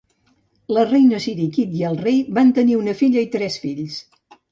La reina Sirikit i el rei van tenir una filla i tres fills.